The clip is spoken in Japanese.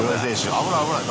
危ない危ない。